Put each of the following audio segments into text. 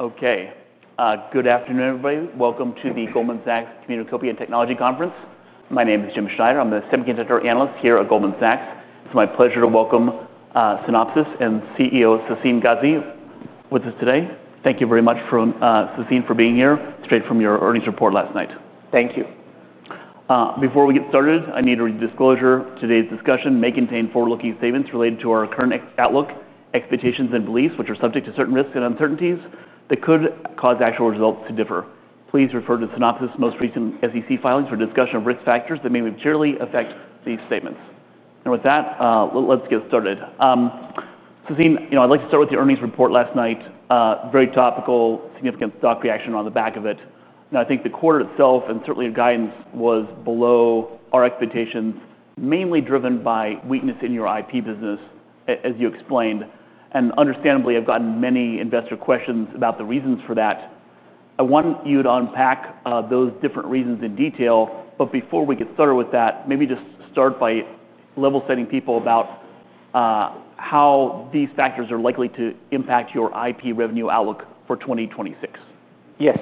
Okay. Good afternoon, everybody. Welcome to the Goldman Sachs Communication and Technology Conference. My name is Jim Schneider. I'm the semiconductor analyst here at Goldman Sachs. It's my pleasure to welcome Synopsys and CEO Sassine Ghazi with us today. Thank you very much, Sassine, for being here straight from your earnings report last night. Thank you. Before we get started, I need to read a disclosure. Today's discussion may contain forward-looking statements related to our current outlook, expectations, and beliefs, which are subject to certain risks and uncertainties that could cause actual results to differ. Please refer to Synopsys' most recent SEC filings for discussion of risk factors that may materially affect these statements. With that, let's get started. Sassine, I'd like to start with the earnings report last night. Very topical, significant stock reaction on the back of it. I think the quarter itself and certainly your guidance was below our expectations, mainly driven by weakness in your IP business, as you explained. Understandably, I've gotten many investor questions about the reasons for that. I want you to unpack those different reasons in detail. Before we get started with that, maybe just start by level-setting people about how these factors are likely to impact your IP revenue outlook for 2026. Yes.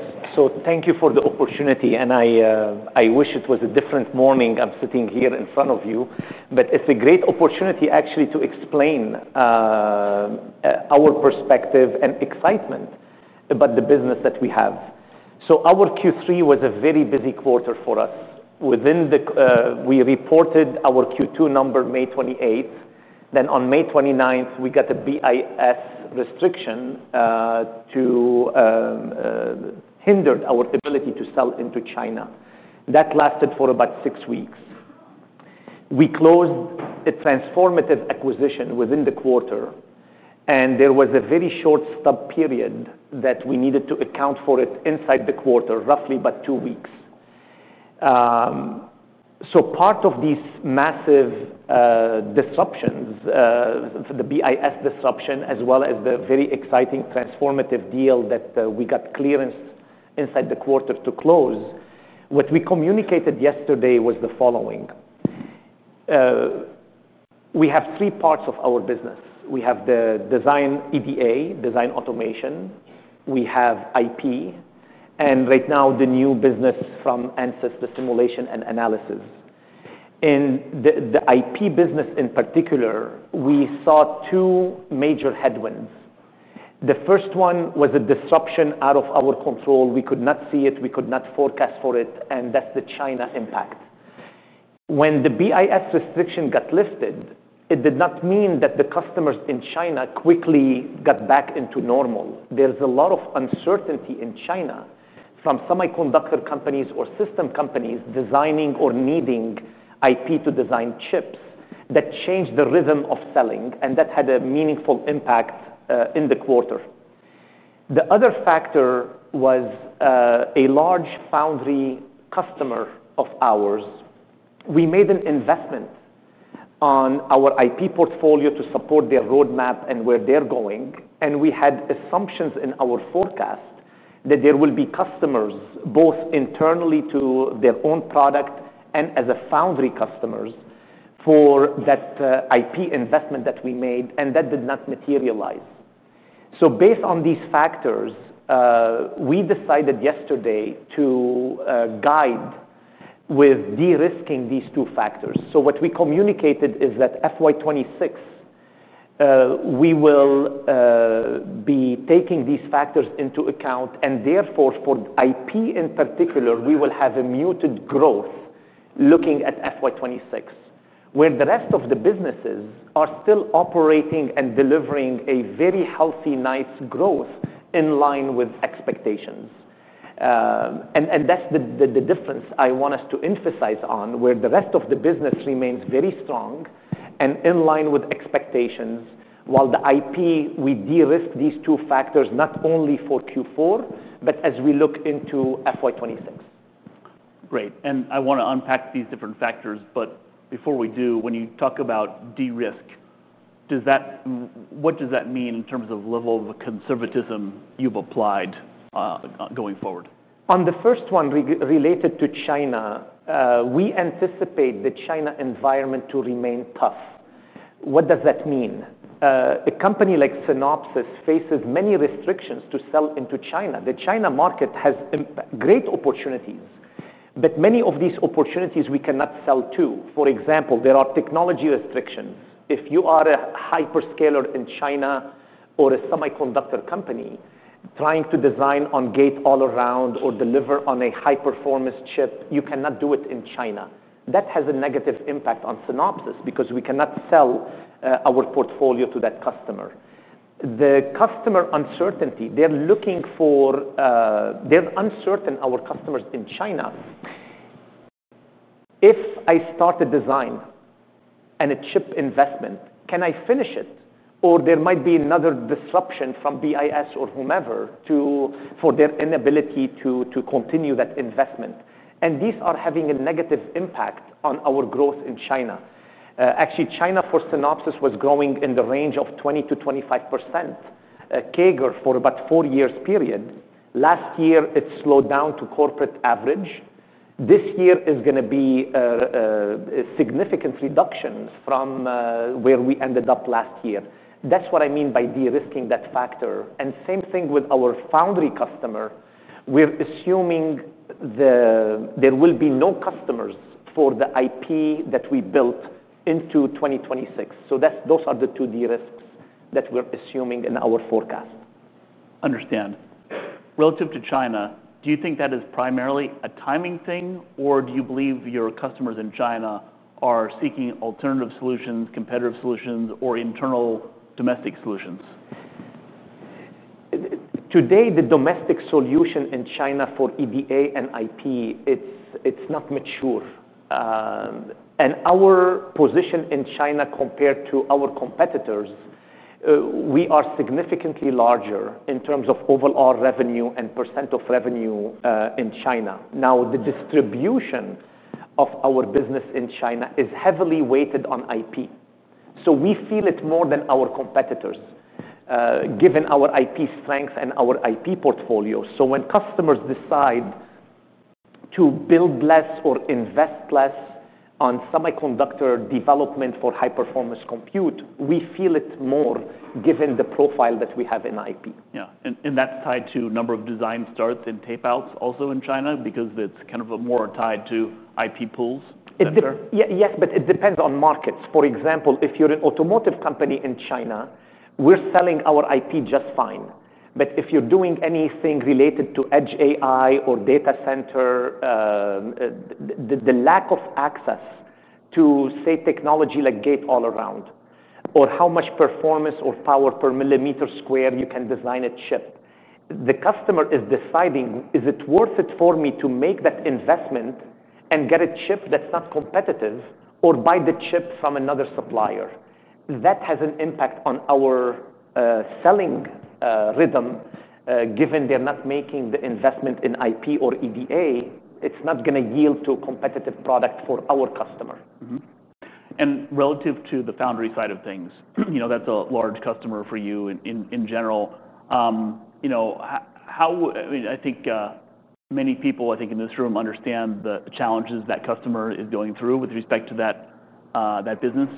Thank you for the opportunity. I wish it was a different morning I'm sitting here in front of you. It's a great opportunity, actually, to explain our perspective and excitement about the business that we have. Our Q3 was a very busy quarter for us. We reported our Q2 number on May 28th. On May 29th, we got a BIS restriction that hindered our ability to sell into China. That lasted for about six weeks. We closed a transformative acquisition within the quarter, and there was a very short stub period that we needed to account for it inside the quarter, roughly about two weeks. Part of these massive disruptions, the BIS disruption, as well as the very exciting transformative deal that we got clearance inside the quarter to close, what we communicated yesterday was the following. We have three parts of our business. We have the design EDA, design automation. We have IP. Right now, the new business from Ansys, the simulation and analysis. In the IP business in particular, we saw two major headwinds. The first one was a disruption out of our control. We could not see it. We could not forecast for it. That's the China impact. When the BIS restriction got lifted, it did not mean that the customers in China quickly got back into normal. There's a lot of uncertainty in China from semiconductor companies or system companies designing or needing IP to design chips that changed the rhythm of selling. That had a meaningful impact in the quarter. The other factor was a large foundry customer of ours. We made an investment on our IP portfolio to support their roadmap and where they're going. We had assumptions in our forecast that there will be customers both internally to their own product and as a foundry customer for that IP investment that we made. That did not materialize. Based on these factors, we decided yesterday to guide with de-risking these two factors. What we communicated is that FY2026, we will be taking these factors into account. Therefore, for IP in particular, we will have a muted growth looking at FY2026, where the rest of the businesses are still operating and delivering a very healthy nice growth in line with expectations. That's the difference I want us to emphasize on, where the rest of the business remains very strong and in line with expectations, while the IP, we de-risk these two factors not only for Q4, but as we look into FY2026. Great. I want to unpack these different factors. Before we do, when you talk about de-risk, what does that mean in terms of the level of the conservatism you've applied going forward? On the first one related to China, we anticipate the China environment to remain tough. What does that mean? A company like Synopsys faces many restrictions to sell into China. The China market has great opportunities, but many of these opportunities we cannot sell to. For example, there are technology restrictions. If you are a hyperscaler in China or a semiconductor company trying to design on-gate all around or deliver on a high-performance chip, you cannot do it in China. That has a negative impact on Synopsys because we cannot sell our portfolio to that customer. The customer uncertainty, they're looking for, they're uncertain, our customers in China. If I start a design and a chip investment, can I finish it? There might be another disruption from the U.S. Bureau of Industry and Security or whomever for their inability to continue that investment. These are having a negative impact on our growth in China. Actually, China for Synopsys was growing in the range of 20% to 25% CAGR for about a four-year period. Last year, it slowed down to corporate average. This year is going to be significant reductions from where we ended up last year. That's what I mean by de-risking that factor. The same thing with our foundry customer. We're assuming there will be no customers for the IP that we built into 2026. Those are the two de-risk that we're assuming in our forecast. Understand. Relative to China, do you think that is primarily a timing thing, or do you believe your customers in China are seeking alternative solutions, competitive solutions, or internal domestic solutions? Today, the domestic solution in China for EDA and IP is not mature. Our position in China compared to our competitors is significantly larger in terms of overall revenue and % of revenue in China. The distribution of our business in China is heavily weighted on IP. We feel it more than our competitors, given our IP strength and our IP portfolio. When customers decide to build less or invest less on semiconductor development for high-performance compute, we feel it more given the profile that we have in IP. Yeah, that's tied to a number of design starts and tape-outs also in China because it's more tied to IP pools. Yes, but it depends on markets. For example, if you're an automotive company in China, we're selling our IP just fine. If you're doing anything related to edge AI or data center, the lack of access to, say, technology like gate all around or how much performance or power per millimeter square you can design a chip, the customer is deciding, is it worth it for me to make that investment and get a chip that's not competitive or buy the chip from another supplier? That has an impact on our selling rhythm. Given they're not making the investment in IP or EDA, it's not going to yield to a competitive product for our customer. Relative to the foundry side of things, that's a large customer for you in general. I think many people in this room understand the challenges that customer is going through with respect to that business.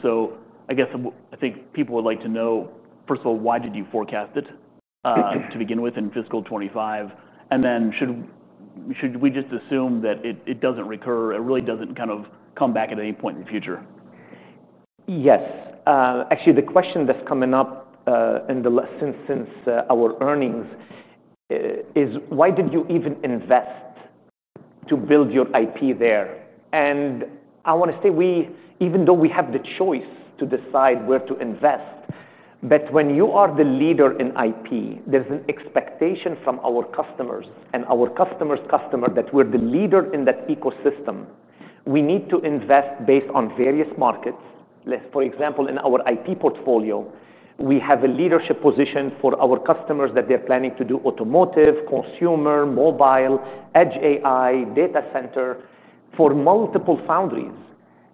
I guess people would like to know, first of all, why did you forecast it to begin with in fiscal 2025? Should we just assume that it doesn't recur? It really doesn't kind of come back at any point in the future? Yes. Actually, the question that's coming up in the last instance, our earnings, is why did you even invest to build your IP there? I want to say, even though we have the choice to decide where to invest, when you are the leader in IP, there's an expectation from our customers and our customer's customer that we're the leader in that ecosystem. We need to invest based on various markets. For example, in our IP portfolio, we have a leadership position for our customers that they're planning to do automotive, consumer, mobile, edge AI, data center for multiple foundries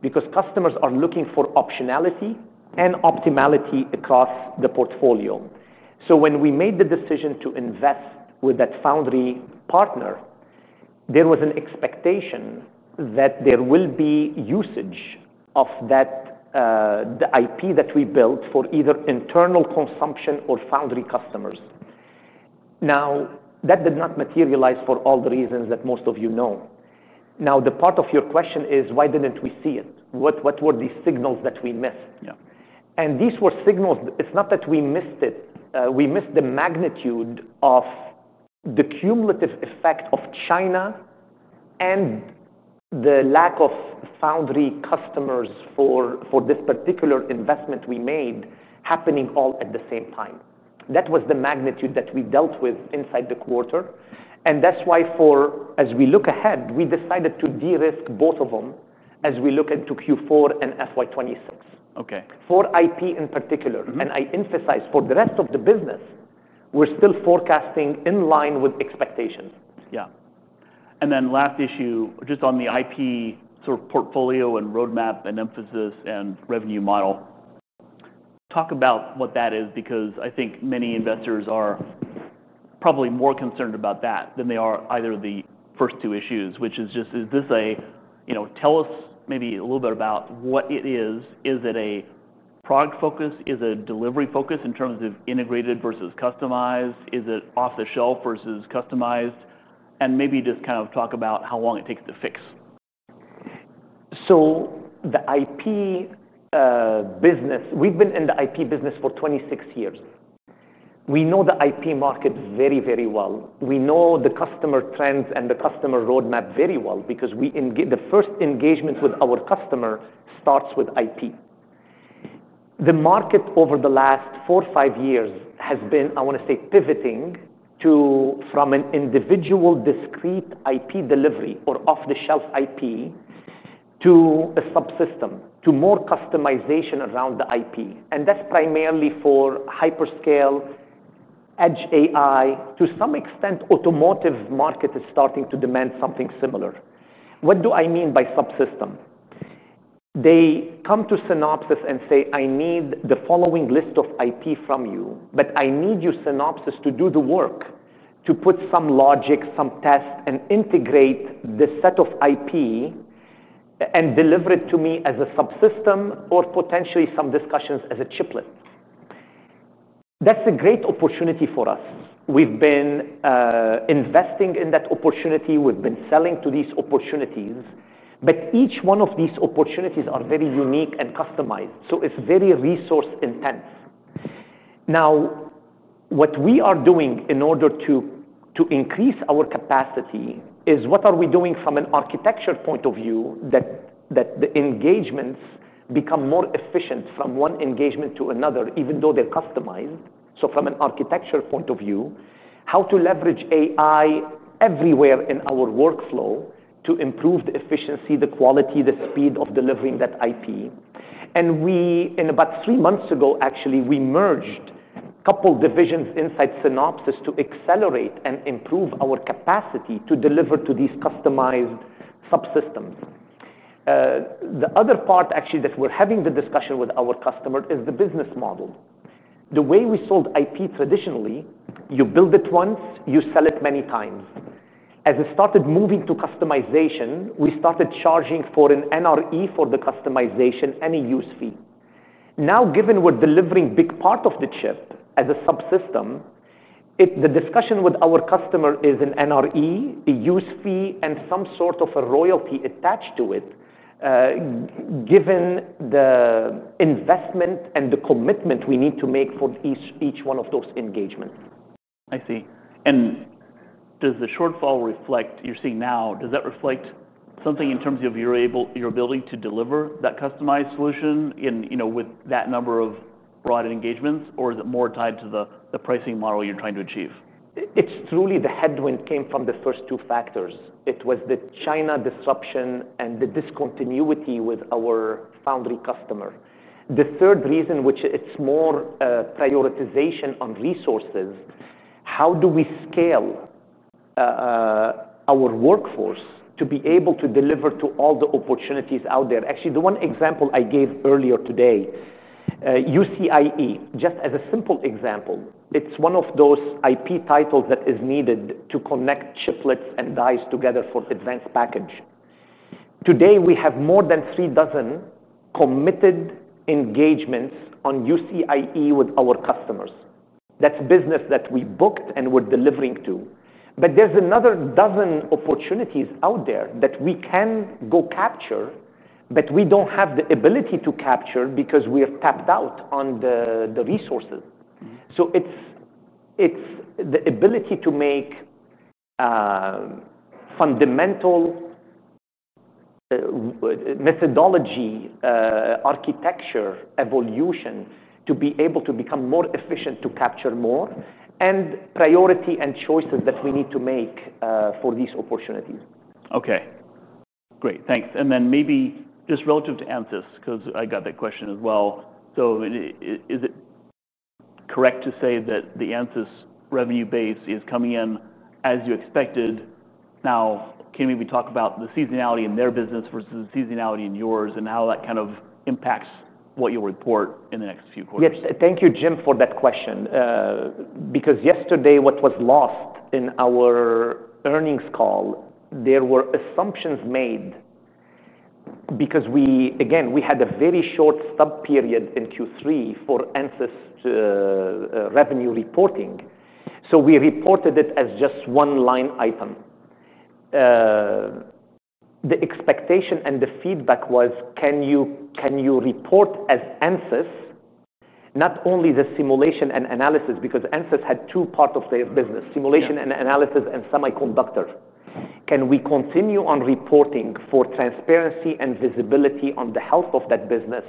because customers are looking for optionality and optimality across the portfolio. When we made the decision to invest with that foundry partner, there was an expectation that there will be usage of the IP that we built for either internal consumption or foundry customers. That did not materialize for all the reasons that most of you know. The part of your question is, why didn't we see it? What were the signals that we missed? Yeah. These were signals. It's not that we missed it. We missed the magnitude of the cumulative effect of China and the lack of foundry customers for this particular investment we made happening all at the same time. That was the magnitude that we dealt with inside the quarter. That is why, as we look ahead, we decided to de-risk both of them as we look into Q4 and FY2026. OK. For IP in particular, I emphasize for the rest of the business we're still forecasting in line with expectations. Yeah. Last issue, just on the IP sort of portfolio and roadmap and emphasis and revenue model, talk about what that is because I think many investors are probably more concerned about that than they are either of the first two issues, which is just, is this a, tell us maybe a little bit about what it is. Is it a product focus? Is it a delivery focus in terms of integrated versus customized? Is it off-the-shelf versus customized? Maybe just kind of talk about how long it takes to fix. The IP business, we've been in the IP business for 26 years. We know the IP market very, very well. We know the customer trends and the customer roadmap very well because the first engagements with our customer start with IP. The market over the last four or five years has been, I want to say, pivoting from an individual discrete IP delivery or off-the-shelf IP to a subsystem, to more customization around the IP. That's primarily for hyperscale, edge AI. To some extent, the automotive market is starting to demand something similar. What do I mean by subsystem? They come to Synopsys and say, I need the following list of IP from you, but I need you, Synopsys, to do the work, to put some logic, some test, and integrate the set of IP and deliver it to me as a subsystem or potentially some discussions as a chiplet. That's a great opportunity for us. We've been investing in that opportunity. We've been selling to these opportunities. Each one of these opportunities is very unique and customized, so it's very resource intense. What we are doing in order to increase our capacity is, from an architecture point of view, making the engagements more efficient from one engagement to another, even though they're customized. From an architecture point of view, we are looking at how to leverage AI everywhere in our workflow to improve the efficiency, the quality, the speed of delivering that IP. About three months ago, we merged a couple of divisions inside Synopsys to accelerate and improve our capacity to deliver to these customized subsystems. The other part that we're having the discussion with our customer is the business model. The way we sold IP traditionally, you build it once, you sell it many times. As it started moving to customization, we started charging for an NRE for the customization and a use fee. Now, given we're delivering a big part of the chip as a subsystem, the discussion with our customer is an NRE, a use fee, and some sort of a royalty attached to it, given the investment and the commitment we need to make for each one of those engagements. I see. Does the shortfall you're seeing now reflect something in terms of your ability to deliver that customized, subsystem-based solution with that number of broad engagements, or is it more tied to the pricing model you're trying to achieve? It's truly the headwind came from the first two factors. It was the China disruption and the discontinuity with our foundry customer. The third reason, which is more prioritization on resources, how do we scale our workforce to be able to deliver to all the opportunities out there? Actually, the one example I gave earlier today, UCIE, just as a simple example, it's one of those IP titles that is needed to connect chiplets and dies together for the advanced package. Today, we have more than three dozen committed engagements on UCIE with our customers. That's business that we booked and we're delivering to. There's another dozen opportunities out there that we can go capture, but we don't have the ability to capture because we're tapped out on the resources. It's the ability to make fundamental methodology, architecture, evolution to be able to become more efficient, to capture more, and priority and choices that we need to make for these opportunities. OK. Great. Thanks. Maybe just relative to Ansys, because I got that question as well. Is it correct to say that the Ansys revenue base is coming in as you expected? Can we talk about the seasonality in their business versus the seasonality in yours and how that kind of impacts what you'll report in the next few quarters? Yes. Thank you, Jim, for that question. Because yesterday, what was lost in our earnings call, there were assumptions made because we, again, had a very short stub period in Q3 for Ansys revenue reporting. We reported it as just one line item. The expectation and the feedback was, can you report as Ansys, not only the simulation and analysis? Because Ansys had two parts of their business, simulation and analysis and semiconductor. Can we continue on reporting for transparency and visibility on the health of that business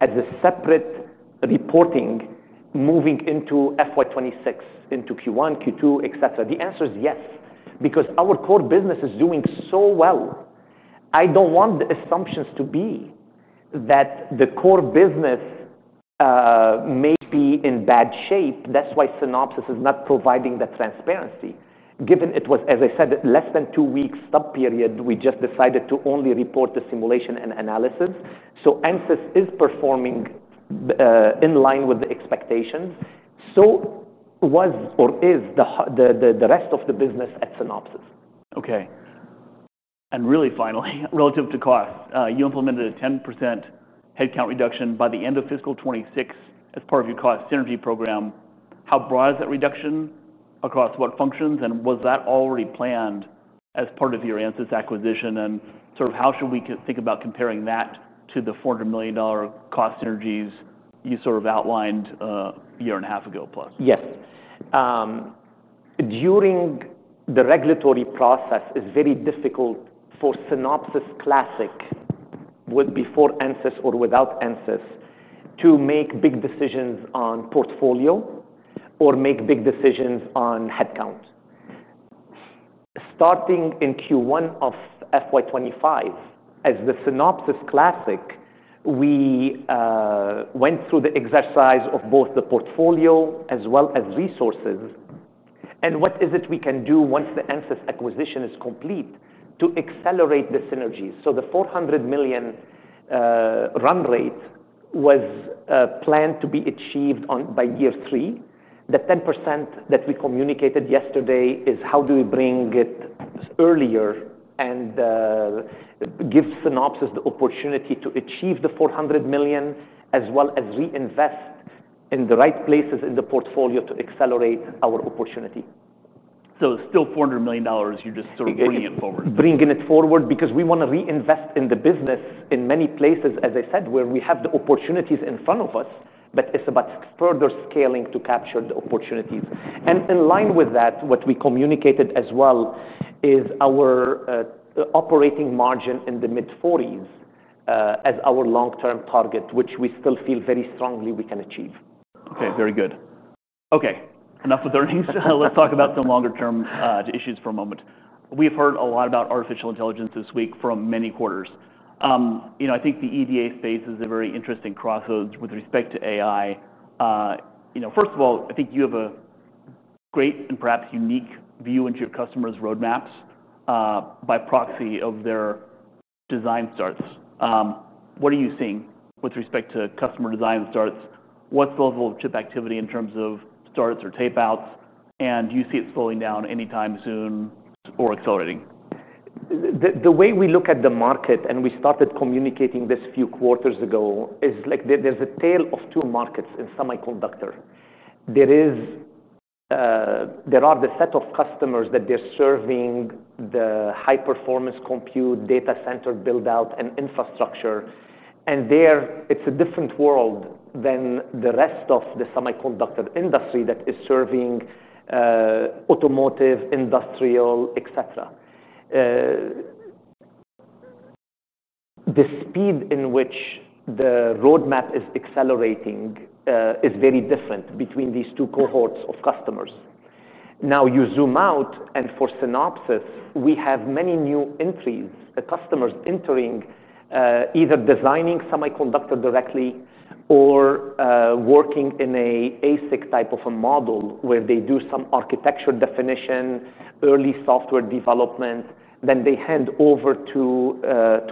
as a separate reporting moving into FY2026, into Q1, Q2, etc.? The answer is yes, because our core business is doing so well. I don't want the assumptions to be that the core business may be in bad shape. That's why Synopsys is not providing that transparency. Given it was, as I said, less than two weeks stub period, we just decided to only report the simulation and analysis. Ansys is performing in line with the expectations. So was or is the rest of the business at Synopsys. OK. Finally, relative to cost, you implemented a 10% headcount reduction by the end of fiscal 2026 as part of your cost synergy program. How broad is that reduction across what functions? Was that already planned as part of your Ansys acquisition? How should we think about comparing that to the $400 million cost synergies you outlined a year and a half ago plus? Yes. During the regulatory process, it's very difficult for Synopsys Classic, with or without Ansys, to make big decisions on portfolio or make big decisions on headcount. Starting in Q1 of FY2025, as the Synopsys Classic, we went through the exercise of both the portfolio as well as resources. What is it we can do once the Ansys acquisition is complete to accelerate the synergies? The $400 million run rate was planned to be achieved by year three. The 10% that we communicated yesterday is how do we bring it earlier and give Synopsys the opportunity to achieve the $400 million, as well as reinvest in the right places in the portfolio to accelerate our opportunity. is still $400 million. You're just sort of bringing it forward. Bringing it forward because we want to reinvest in the business in many places, as I said, where we have the opportunities in front of us. It is about further scaling to capture the opportunities. In line with that, what we communicated as well is our operating margin in the mid-40% as our long-term target, which we still feel very strongly we can achieve. OK. Very good. OK. Enough with earnings. Let's talk about some longer-term issues for a moment. We've heard a lot about artificial intelligence this week from many quarters. I think the EDA space is a very interesting crossroads with respect to AI. First of all, I think you have a great and perhaps unique view into your customers' roadmaps by proxy of their design starts. What are you seeing with respect to customer design starts? What's the level of chip activity in terms of starts or tape-outs? Do you see it slowing down any time soon or accelerating? The way we look at the market, and we started communicating this a few quarters ago, is like there's a tale of two markets in semiconductor. There are the set of customers that they're serving the high-performance compute, data center build-out, and infrastructure. There, it's a different world than the rest of the semiconductor industry that is serving automotive, industrial, et cetera. The speed in which the roadmap is accelerating is very different between these two cohorts of customers. Now, you zoom out, and for Synopsys, we have many new entries, customers entering either designing semiconductor directly or working in an ASIC type of a model where they do some architecture definition, early software development. Then they hand over to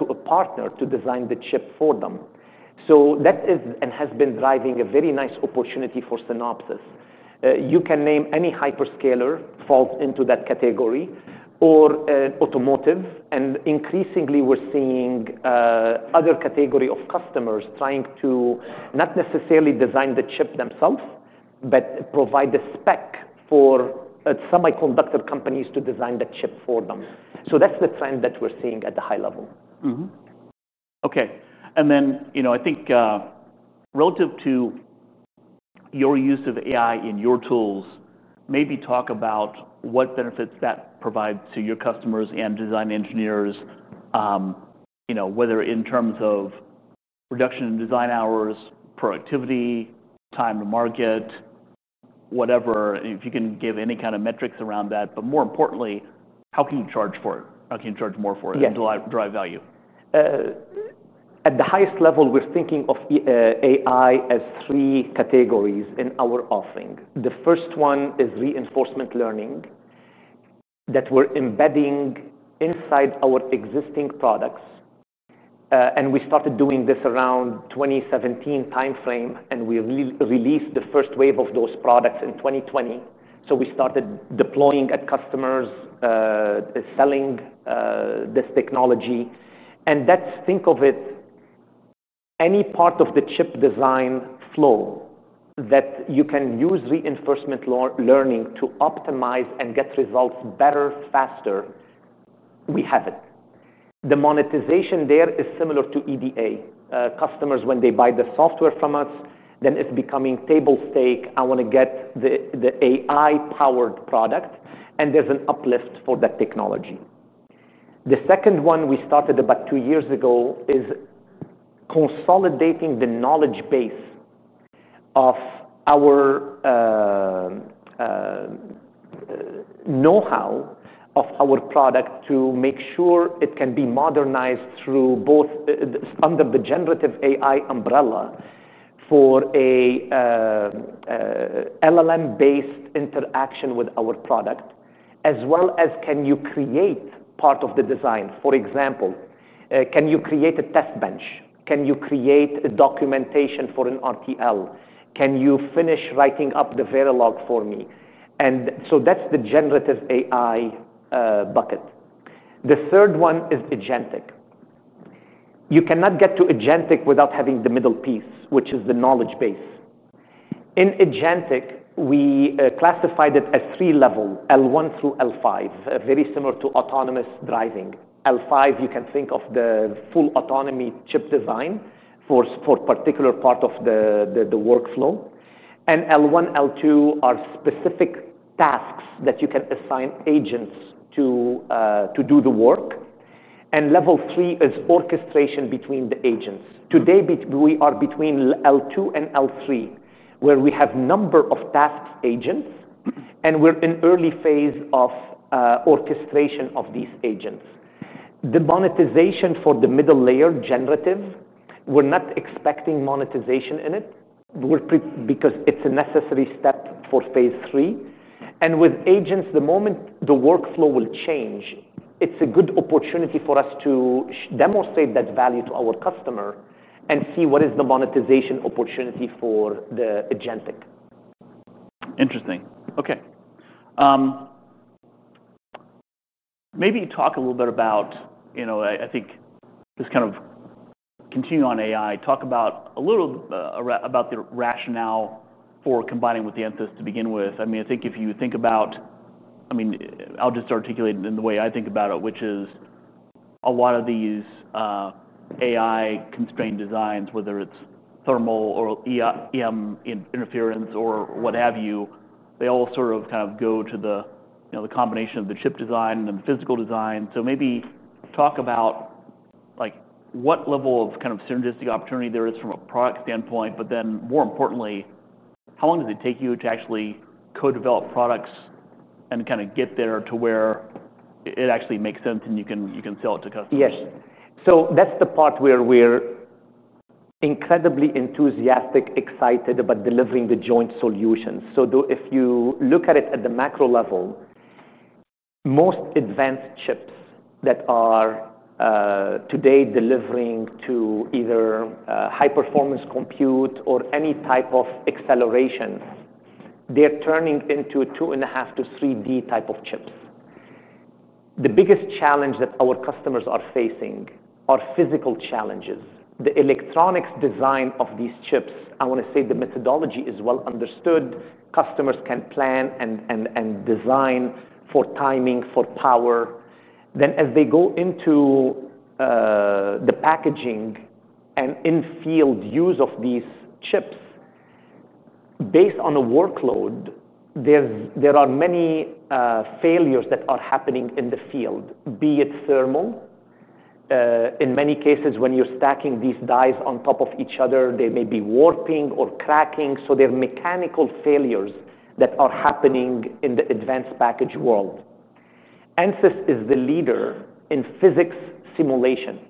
a partner to design the chip for them. That has been driving a very nice opportunity for Synopsys. You can name any hyperscaler that falls into that category or automotive. Increasingly, we're seeing other categories of customers trying to not necessarily design the chip themselves, but provide the spec for semiconductor companies to design the chip for them. That's the trend that we're seeing at the high level. OK. I think relative to your use of AI in your tools, maybe talk about what benefits that provides to your customers and design engineers, whether in terms of reduction in design hours, productivity, time to market, whatever. If you can give any kind of metrics around that. More importantly, how can you charge for it? How can you charge more for it, drive value? At the highest level, we're thinking of AI as three categories in our offering. The first one is reinforcement learning that we're embedding inside our existing products. We started doing this around the 2017 time frame, and we released the first wave of those products in 2020. We started deploying at customers, selling this technology. That's, think of it, any part of the chip design flow that you can use reinforcement learning to optimize and get results better, faster, we have it. The monetization there is similar to EDA. Customers, when they buy the software from us, then it's becoming table stake. I want to get the AI-powered product, and there's an uplift for that technology. The second one we started about two years ago is consolidating the knowledge base of our know-how of our product to make sure it can be modernized under the generative AI umbrella for an LLM-based interaction with our product, as well as can you create part of the design. For example, can you create a test bench? Can you create a documentation for an RTL? Can you finish writing up the Verilog for me? That's the generative AI bucket. The third one is Agentic. You cannot get to Agentic without having the middle piece, which is the knowledge base. In Agentic, we classified it as three levels, L1 through L5, very similar to autonomous driving. L5, you can think of the full autonomy chip design for a particular part of the workflow. L1, L2 are specific tasks that you can assign agents to do the work, and level three is orchestration between the agents. Today, we are between L2 and L3, where we have a number of task agents, and we're in the early phase of orchestration of these agents. The monetization for the middle layer, generative, we're not expecting monetization in it because it's a necessary step for phase three. With agents, the moment the workflow will change, it's a good opportunity for us to demonstrate that value to our customer and see what is the monetization opportunity for the Agentic. Interesting. OK. Maybe talk a little bit about, you know, I think just kind of continuing on AI, talk a little about the rationale for combining with Ansys to begin with. I mean, I think if you think about, I mean, I'll just articulate it in the way I think about it, which is a lot of these AI-constrained designs, whether it's thermal or EM interference or what have you, they all sort of kind of go to the combination of the chip design and the physical design. Maybe talk about what level of kind of synergistic opportunity there is from a product standpoint. More importantly, how long does it take you to actually co-develop products and kind of get there to where it actually makes sense and you can sell it to customers? Yes. That's the part where we're incredibly enthusiastic, excited about delivering the joint solutions. If you look at it at the macro level, most advanced chips that are today delivering to either high-performance compute or any type of acceleration, they're turning into 2.5 to 3D type of chips. The biggest challenge that our customers are facing are physical challenges. The electronics design of these chips, I want to say the methodology is well understood. Customers can plan and design for timing, for power. As they go into the packaging and in-field use of these chips, based on a workload, there are many failures that are happening in the field, be it thermal. In many cases, when you're stacking these dies on top of each other, they may be warping or cracking. There are mechanical failures that are happening in the advanced package world. Ansys is the leader in physics simulation.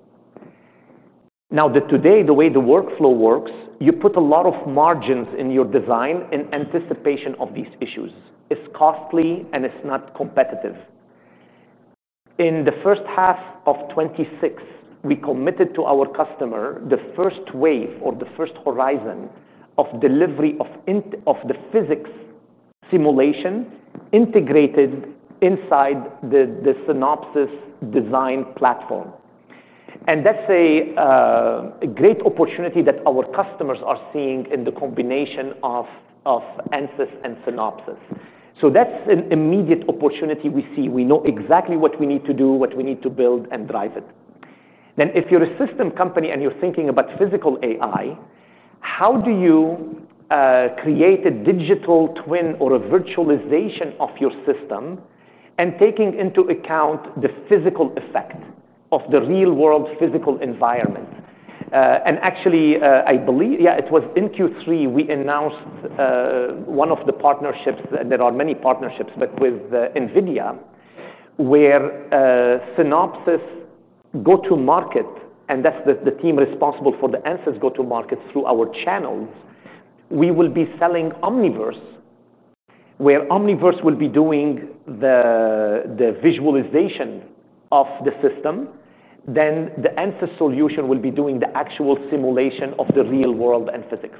Today, the way the workflow works, you put a lot of margins in your design in anticipation of these issues. It's costly and it's not competitive. In the first half of 2026, we committed to our customer the first wave or the first horizon of delivery of the physics simulation integrated inside the Synopsys design platform. That's a great opportunity that our customers are seeing in the combination of Ansys and Synopsys. That's an immediate opportunity we see. We know exactly what we need to do, what we need to build, and drive it. If you're a system company and you're thinking about physical AI, how do you create a digital twin or a virtualization of your system and taking into account the physical effect of the real-world physical environment? I believe, yeah, it was in Q3, we announced one of the partnerships, and there are many partnerships, but with NVIDIA, where Synopsys go-to-market, and that's the team responsible for the Ansys go-to-market through our channels, we will be selling Omniverse, where Omniverse will be doing the visualization of the system. The Ansys solution will be doing the actual simulation of the real world and physics.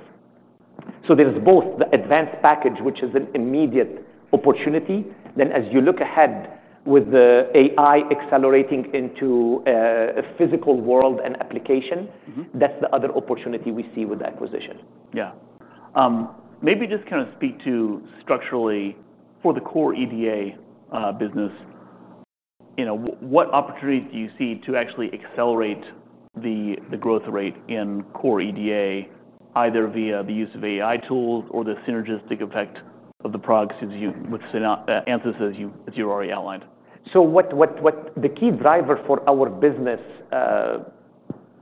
There's both the advanced package, which is an immediate opportunity. As you look ahead with the AI accelerating into a physical world and application, that's the other opportunity we see with the acquisition. Maybe just kind of speak to structurally for the core EDA business, what opportunity do you see to actually accelerate the growth rate in core EDA, either via the use of AI tools or the synergistic effect of the products with Ansys as you already outlined? The key driver for our business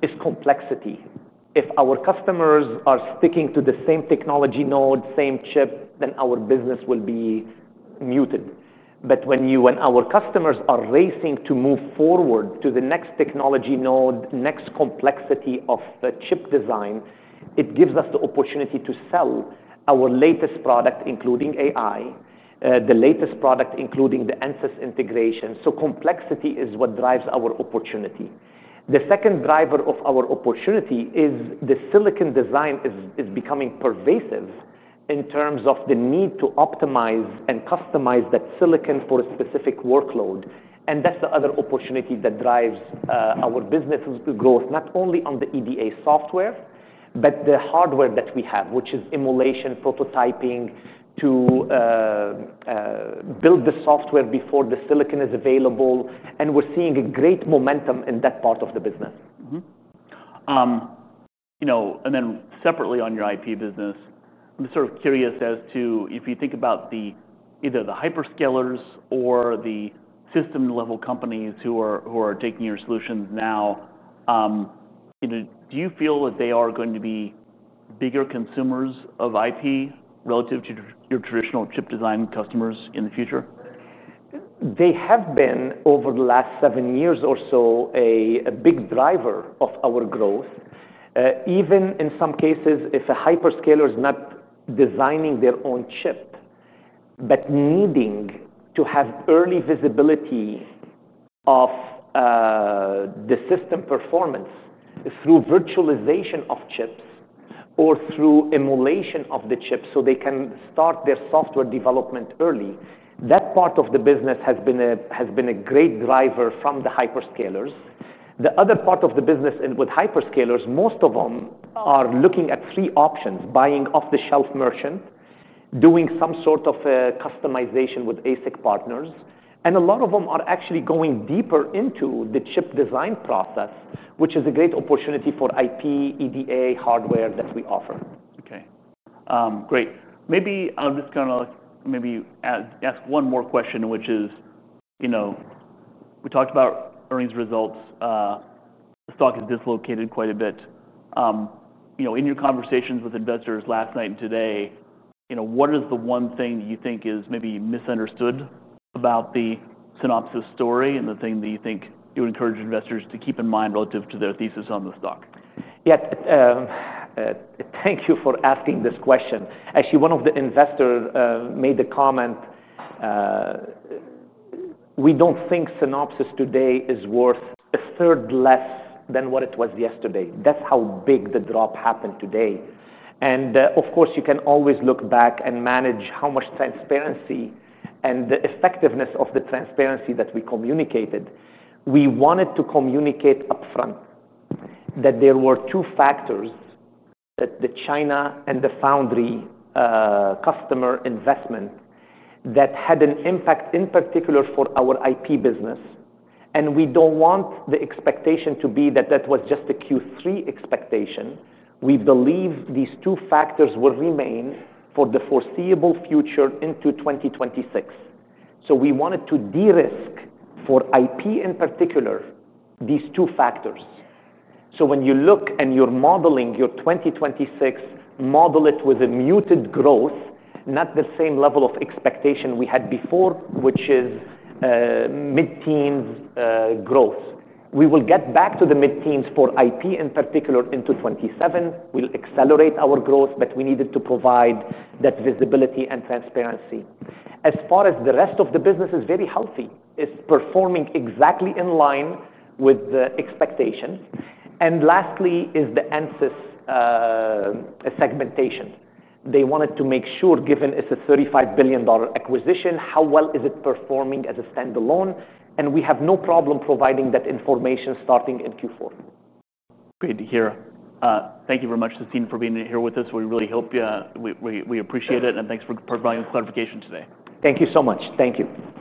is complexity. If our customers are sticking to the same technology node, same chip, then our business will be muted. When our customers are racing to move forward to the next technology node, next complexity of chip design, it gives us the opportunity to sell our latest product, including AI, the latest product, including the Ansys integration. Complexity is what drives our opportunity. The second driver of our opportunity is the silicon design is becoming pervasive in terms of the need to optimize and customize that silicon for a specific workload. That's the other opportunity that drives our business growth, not only on the EDA software, but the hardware that we have, which is emulation, prototyping to build the software before the silicon is available. We're seeing a great momentum in that part of the business. On your IP business, I'm sort of curious as to if you think about either the hyperscale companies or the system companies who are taking your solutions now, do you feel that they are going to be bigger consumers of IP relative to your traditional chip design customers in the future? They have been over the last seven years or so a big driver of our growth. Even in some cases, if a hyperscaler is not designing their own chip but needing to have early visibility of the system performance through virtualization of chips or through emulation of the chip so they can start their software development early, that part of the business has been a great driver from the hyperscalers. The other part of the business with hyperscalers, most of them are looking at three options: buying off-the-shelf merchant, doing some sort of customization with ASIC partners. A lot of them are actually going deeper into the chip design process, which is a great opportunity for IP, EDA hardware that we offer. OK. Great. Maybe I'll just kind of ask one more question, which is, you know, we talked about earnings results. The stock has dislocated quite a bit. In your conversations with investors last night and today, what is the one thing that you think is maybe misunderstood about the Synopsys story and the thing that you think you would encourage investors to keep in mind relative to their thesis on the stock? Yeah. Thank you for asking this question. Actually, one of the investors made the comment, we don't think Synopsys today is worth a third less than what it was yesterday. That's how big the drop happened today. Of course, you can always look back and manage how much transparency and the effectiveness of the transparency that we communicated. We wanted to communicate upfront that there were two factors, the China and the foundry customer investment, that had an impact in particular for our IP business. We don't want the expectation to be that that was just a Q3 expectation. We believe these two factors will remain for the foreseeable future into 2026. We wanted to de-risk for IP in particular these two factors. When you look and you're modeling your 2026, model it with a muted growth, not the same level of expectation we had before, which is mid-teens growth. We will get back to the mid-teens for IP in particular into 2027. We'll accelerate our growth, but we needed to provide that visibility and transparency. As far as the rest of the business, it is very healthy, it's performing exactly in line with the expectations. Lastly is the Ansys segmentation. They wanted to make sure, given it's a $35 billion acquisition, how well is it performing as a standalone. We have no problem providing that information starting in Q4. Great to hear. Thank you very much, Sassine, for being here with us. We really hope you appreciate it. Thank you for providing this notification today. Thank you so much. Thank you.